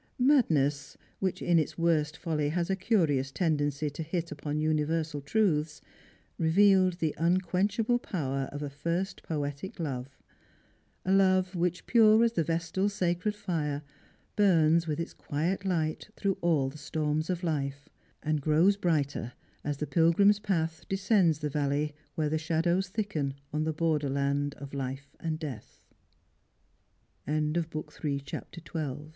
Madness, which in its worst folly has a curious tendency to hit upon universal truths, revealed the unquenchable power of a first poetic love — a love which, pure as the vestal's sacred fire, burns with its quiet light through all the storms of hfe, and grows brighter as the pilgrim's path descends the valley where the shadows thicken on the border land of hfe and de